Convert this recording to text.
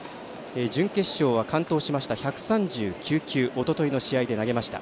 準決勝は完投しました１３９球おとといの試合で投げました。